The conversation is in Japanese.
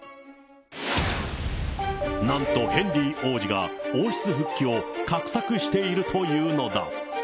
なんと、ヘンリー王子が王室復帰を画策しているというのだ。